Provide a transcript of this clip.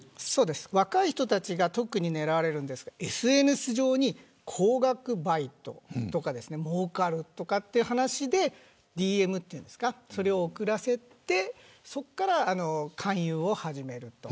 若い人が特に狙われるんですがＳＮＳ上に高額バイトとかもうかるという話でＤＭを送らせてそこから勧誘を始めると。